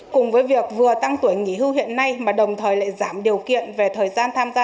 cùng với việc vừa tăng tuổi nghỉ hưu hiện nay mà đồng thời lại giảm điều kiện về thời gian tham gia